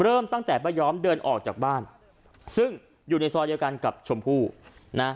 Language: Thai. เริ่มตั้งแต่ป้ายอมเดินออกจากบ้านซึ่งอยู่ในซอยเดียวกันกับชมพู่นะ